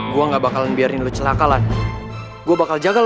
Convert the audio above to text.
gue gak bakalan biarin lu celaka lah gue bakal jaga lo